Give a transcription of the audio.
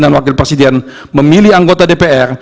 dan wakil presiden memilih anggota dpr